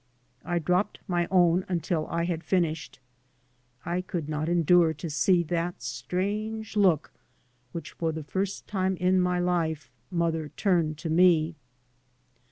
I dropped my own until I had finished; I could not endure to see that strange look which for the first time in my life, mother turned to me.